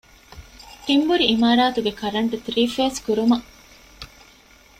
ތިންބުރި އިމާރާތުގެ ކަރަންޓް ތްރީފޭސް ކުރުމަށް